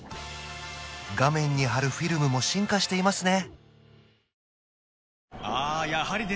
画面に貼るフィルムも進化していますね